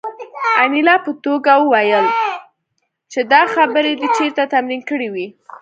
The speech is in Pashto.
انیلا په ټوکه وویل چې دا خبرې دې چېرته تمرین کړې وې